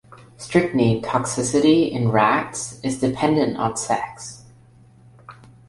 Strychnine toxicity in rats is dependent on sex.